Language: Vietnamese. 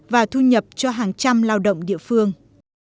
và thu nhập cho hàng trăm lao động địa phương